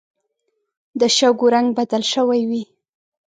د شګو رنګ بدل شوی وي